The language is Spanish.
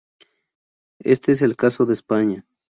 Este es el caso de España.